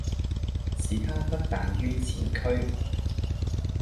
使他不憚于前驅。